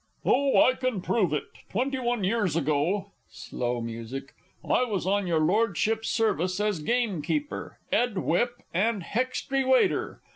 _) Oh, I can prove it. Twenty one years ago (slow music) I was in your Lordship's service as gamekeeper, 'ead whip, and hextry waiter.